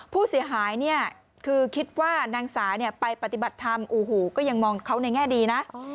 ผู้เสียหายเนี่ยคือคิดว่านางสาไปปฏิบัติธรรมโอ้โหก็ยังมองเขาในแง่ดีนะ